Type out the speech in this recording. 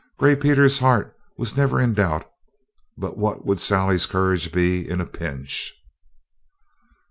Gray Peter's heart was never in doubt, but what would Sally's courage be in a pinch?